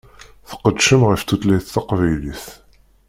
Tqeddcem ɣef tutlayt taqbaylit.